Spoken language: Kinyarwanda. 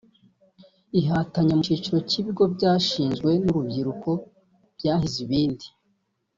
Ihatanye mu cyiciro cy’ibigo byashinzwe n’urubyiruko byahize ibindi